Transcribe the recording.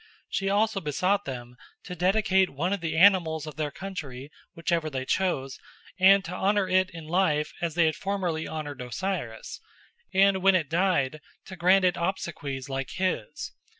She also besought them to dedicate one of the animals of their country, whichever they chose, and to honour it in life as they had formerly honoured Osiris, and when it died to grant it obsequies like his.